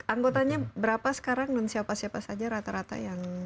anggotanya berapa sekarang dan siapa siapa saja rata rata yang